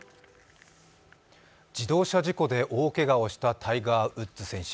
自動車事故で大けがをしたタイガー・ウッズ選手。